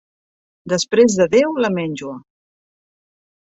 Després de Déu, la menjua.